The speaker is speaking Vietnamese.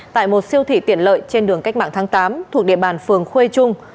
tại một siêu thị tiện lợi trên đường cách mạng tháng tám thuộc địa bàn phường khuê trung